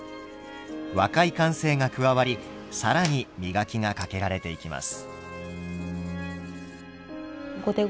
若い感性が加わり更に磨きがかけられていきます。